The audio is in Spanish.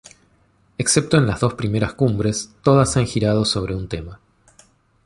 Excepto en las dos primeras cumbres, todas han girado sobre un tema.